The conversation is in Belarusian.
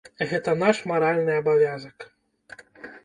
Гэта наш маральны абавязак.